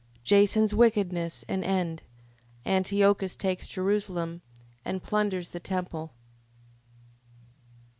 Jason's wickedness and end. Antiochus takes Jerusalem, and plunders the temple.